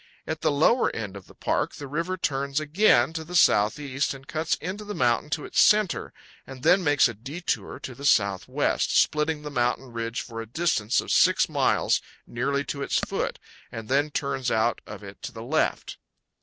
At the lower end of the park, the river 178 CANYONS OF THE COLORADO. powell canyons 121.jpg RUINS. turns again to the southeast and cuts into the mountain to its center and then makes a detour to the southwest, splitting the mountain ridge for a distance of six miles nearly to its foot, and then turns out of it to the left.